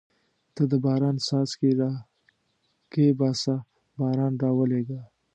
ته د باران څاڅکي را کښېباسه باران راولېږه.